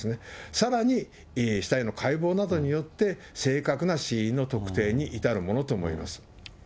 さらに死体の解剖などによって正確な死因の特定に至るものと思います。